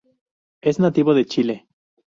Es nativo de Chile.